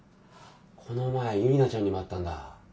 この前ユリナちゃんにも会ったんだ。